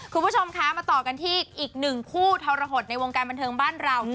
คุณผู้ชมคะมาต่อกันที่อีกหนึ่งคู่ทรหดในวงการบันเทิงบ้านเรา